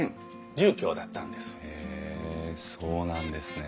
へえそうなんですね。